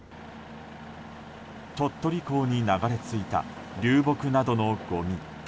鳥取港に流れ着いた流木などのごみ。